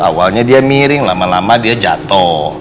awalnya dia miring lama lama dia jatuh